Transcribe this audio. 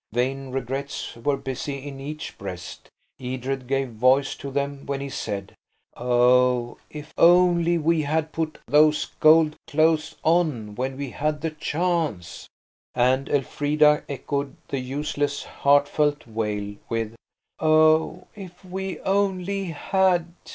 Vain regrets were busy in each breast. Edred gave voice to them when he said– "Oh, if only we had put those gold clothes on when we had the chance!" And Elfrida echoed the useless heartfelt wail with, "Oh, if we only had!"